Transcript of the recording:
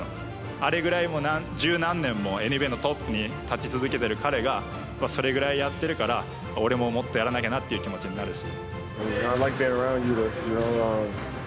あれぐらい十何年もＮＢＡのトップに勝ち続けている彼が、それぐらいやってるから、俺ももっとやらなきゃなって気持ちになるし。